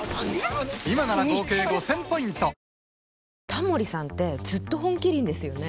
タモリさんってずっと「本麒麟」ですよね。